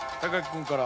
君から。